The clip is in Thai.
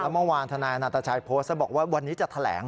แล้วเมื่อวานธนายอนัตชายโพสต์บอกว่าวันนี้จะแถลง